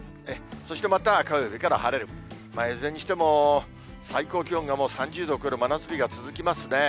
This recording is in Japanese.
そしてまた火曜日から晴れる、いずれにしても、最高気温が３０度を超える真夏日が続きますね。